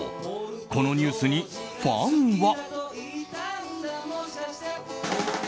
このニュースに、ファンは。